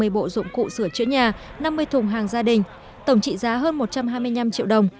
hai mươi bộ dụng cụ sửa chữa nhà năm mươi thùng hàng gia đình tổng trị giá hơn một trăm hai mươi năm triệu đồng